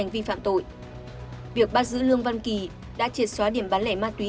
việc bắt giữ lương văn kỳ đã triệt xóa điểm bán lẻ ma túy